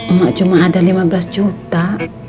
emak cuma ada lima belas juta